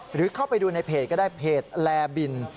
หรือเข้าไปดูในเพจก็ได้เพจแลบิน